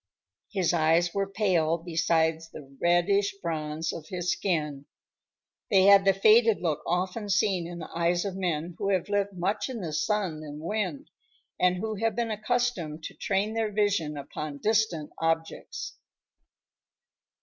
His eyes were pale beside the reddish bronze of his skin. They had the faded look often seen in the eyes of men who have lived much in the sun and wind and who have been accustomed to train their vision upon distant objects.